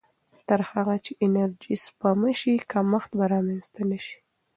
تر هغه چې انرژي سپما شي، کمښت به رامنځته نه شي.